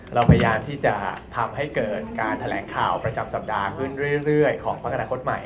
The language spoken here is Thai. เราพยายามที่จะทำให้เกิดการแถลงข่าวประจำสัปดาห์ขึ้นเรื่อยของพักอนาคตใหม่